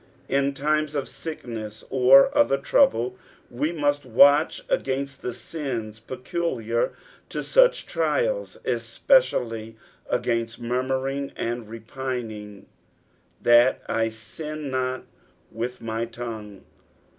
In times of sickness or other trouble we must watch s^iut the sins peculiar to such trials, especially against murmuring and repining '' That I tin not with my tongue."